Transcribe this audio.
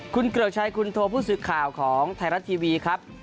คุณเกริกชัยคุณโทผู้สื่อข่าวของไทยรัฐทีวีครับ